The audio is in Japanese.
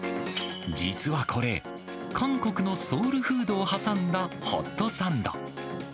実はこれ、韓国のソウルフードを挟んだホットサンド。